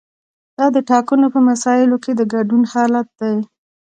دا د ټاکنو په مسایلو کې د ګډون حالت دی.